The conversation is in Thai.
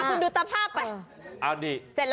คุณดูตภาพไป